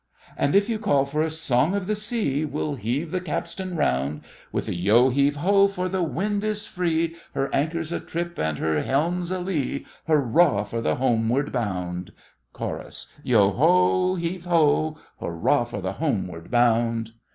And if you call for a song of the sea, We'll heave the capstan round, With a yeo heave ho, for the wind is free, Her anchor's a trip and her helm's a lee, Hurrah for the homeward bound! CHORUS. Yeo ho—heave ho— Hurrah for the homeward bound!